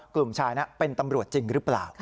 กลุ่มชายเป็นตำรวจจรึเปล่า